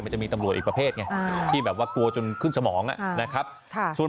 มันจะมีตำรวจอีกประเภทไงที่แบบว่ากลัวจนขึ้นสมองนะครับ